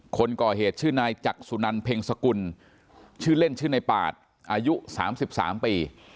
คนก่อเหตุชื่อนายจักษุนันเพ็งสกุลชื่อเล่นชื่อในปาดอายุ๓๓ปี